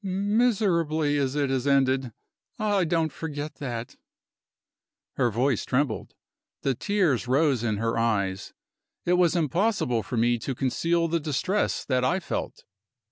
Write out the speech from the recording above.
Miserably as it has ended, I don't forget that." Her voice trembled; the tears rose in her eyes. It was impossible for me to conceal the distress that I felt.